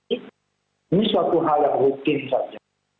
ini suatu hal yang rutin saja